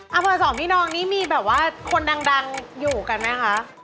อำเภอสองพี่น้องนี้มีแบบว่าคนดังอยู่กันไหมคะ